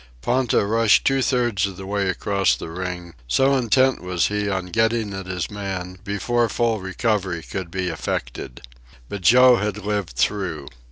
Ponta rushed two thirds of the way across the ring, so intent was he on getting at his man before full recovery could be effected. But Joe had lived through.